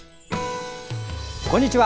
こんにちは。